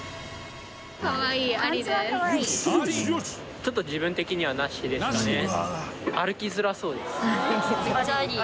ちょっと自分的にはナシですかね。